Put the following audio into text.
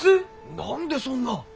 何でそんな。